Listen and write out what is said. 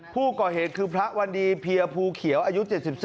ผู้ก่อเหตุคือพระวันดีเพียภูเขียวอายุ๗๔